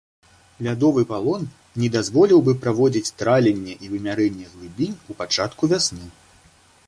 Лядовы палон не дазволіў бы праводзіць траленне і вымярэнне глыбінь у пачатку вясны.